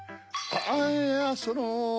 あっいやその。